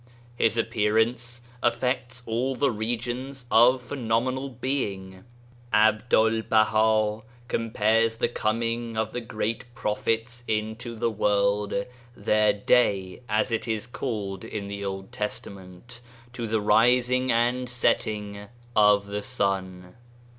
His appearance affects all the regions of phenomenal being. Abdul Baha compares the coming of the Great Prophets into the world (their ' Day ' as it is called in the Old Testament) to the rising and setting of the sun.